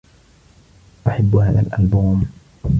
أحب هذا الألبوم.